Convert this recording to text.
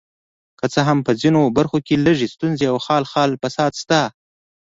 که څه هم په ځینو برخو کې لږې ستونزې او خال خال فساد شته.